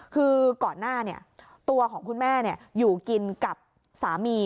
คือก่อนหน้าตัวของคุณแม่อยู่กินกับสามี